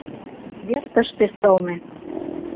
Вер тыште сылне.